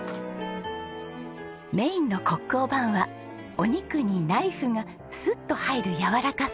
メインのコック・オ・ヴァンはお肉にナイフがスッと入るやわらかさ。